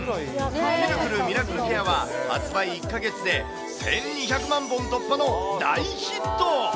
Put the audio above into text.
ピルクルミラクルケアは、発売１か月で１２００万本突破の大ヒット。